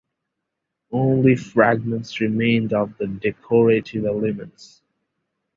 Only fragments remained of the decorative elements.